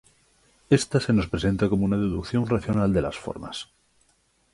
Esta se nos presenta como una deducción racional de las Formas.